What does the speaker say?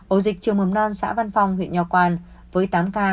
ổ dịch trường mầm non xã văn phong huyện nho quan với tám ca